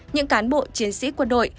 những cán bộ chiến sĩ quân đội